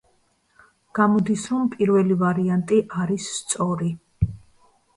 გამოდის რომ პირველი ვარიანტი არის სწორი.